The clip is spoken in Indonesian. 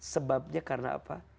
sebabnya karena apa